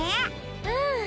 うん！